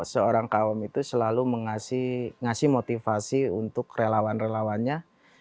seorang kawam itu selalu mengasih motivasi untuk relawan relawannya